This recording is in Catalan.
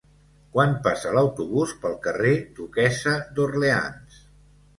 Quan passa l'autobús pel carrer Duquessa d'Orleans?